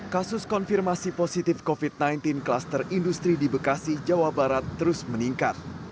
kasus konfirmasi positif covid sembilan belas klaster industri di bekasi jawa barat terus meningkat